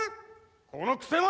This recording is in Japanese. このくせ者！